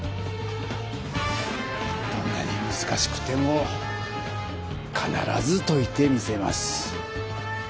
どんなにむずかしくてもかならずといてみせます！